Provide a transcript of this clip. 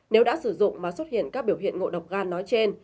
nếu đã sử dụng mà xuất hiện các biểu hiện ngộ độc gan nói trên